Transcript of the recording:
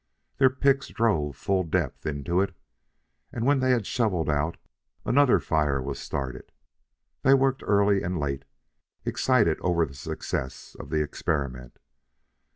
Their picks drove full depth into it, and, when they had shoveled out, another fire was started. They worked early and late, excited over the success of the experiment.